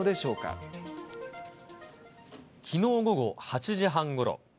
きのう午後８時半ごろ。